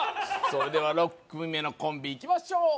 それでは６組目のコンビいきましょう